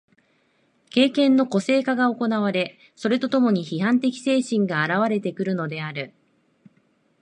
経験の個性化が行われ、それと共に批判的精神が現われてくるのである。